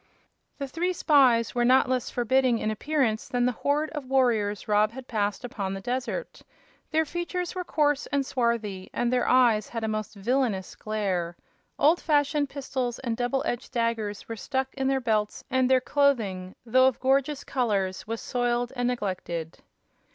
The three spies were not less forbidding in appearance than the horde of warriors Rob had passed upon the desert. Their features were coarse and swarthy, and their eyes had a most villainous glare. Old fashioned pistols and double edged daggers were stuck in their belts and their clothing, though of gorgeous colors, was soiled and neglected.